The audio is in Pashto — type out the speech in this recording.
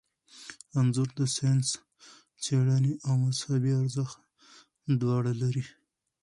انځور د ساینسي څیړنې او مذهبي ارزښت دواړه لري.